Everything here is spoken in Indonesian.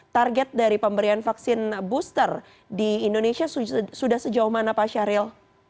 target dari pemberian vaksin booster di indonesia sudah sejauh mana pak syahril